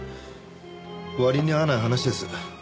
割に合わない話です。